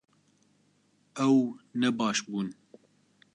Ew ne baş bûn